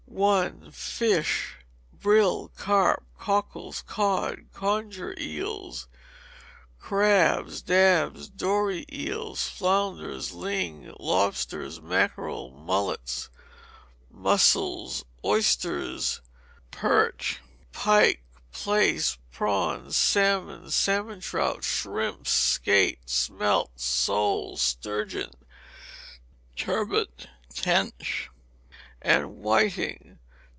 i. Fish. Brill, carp, cockles, cod, conger eels, crabs, dabs, dory, eels, flounders, ling, lobsters, mackerel, mullets, mussels, oysters, perch, pike, plaice, prawns, salmon, salmon trout, shrimps, skate, smelts, soles, sturgeon, turbot, tench, and whiting.